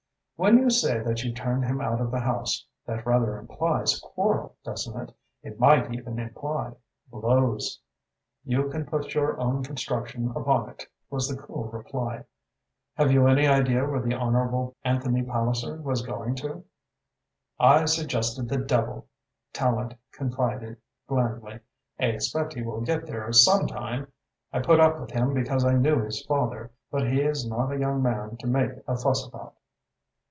"When you say that you turned him out of the house, that rather implies a quarrel, doesn't it? It might even imply blows." "You can put your own construction upon it," was the cool reply. "Had you any idea where the honourable Anthony Palliser was going to?" "I suggested the devil," Tallente confided blandly. "I expect he will get there some time. I put up with him because I knew his father, but he is not a young man to make a fuss about."